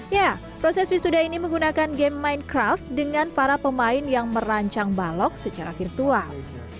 ya proses wisuda ini menggunakan game maincraft dengan para pemain yang merancang balok secara virtual